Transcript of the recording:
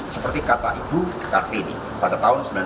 seperti kata ibu kartini pada tahun seribu sembilan ratus sembilan puluh